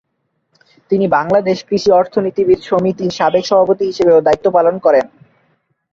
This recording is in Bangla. তিনি বাংলাদেশ কৃষি অর্থনীতিবিদ সমিতির সাবেক সভাপতি হিসেবেও দায়িত্ব পালন করেন।